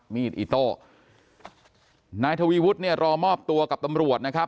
มีดอิโต้นายทวีวุฒิเนี่ยรอมอบตัวกับตำรวจนะครับ